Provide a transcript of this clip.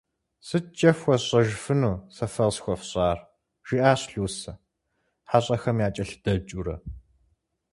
«Сыткӏэ фхуэсщӏэжыфыну, сэ фэ къысхуэфщӏар?» жиӏащ Лусэ, хьэщӏэхэм якӏэлъыдэкӏыурэ.